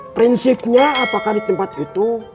prinsipnya apakah di tempat itu